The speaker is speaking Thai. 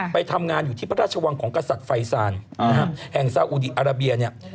ไปทำงานอยู่ที่พระราชวังของกษัตริย์ไฟซานแห่งซาอุดีอาราเบียเนี่ย